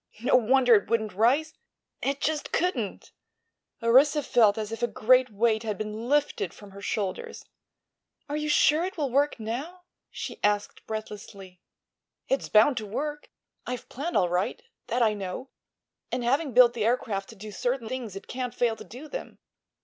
No wonder it wouldn't rise—it just couldn't!" Orissa felt as if a great weight had been lifted from her shoulders. "Are you sure it will work now?" she asked breathlessly. "It's bound to work. I've planned all right; that I know; and having built the aircraft to do certain things it can't fail to do them.